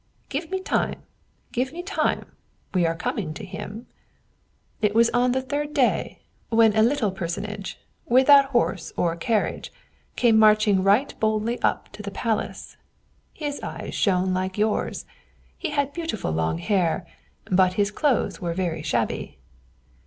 "Give me time! give me time! we are coming to him. It was on the third day, when a little personage, without horse or carriage, came marching right boldly up to the palace; his eyes shone like yours, he had beautiful long hair, but his clothes were very shabby."